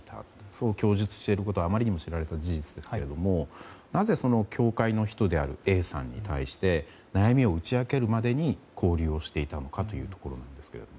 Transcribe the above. そう供述していることはあまりにも知られた事実ですがなぜ教会の人であるＡさんに対して悩みを打ち明けるまでに交流をしていたのかというところですが。